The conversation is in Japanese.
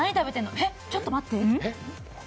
えっちょっと待って。